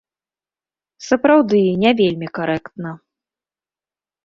Сапраўды, не вельмі карэктна.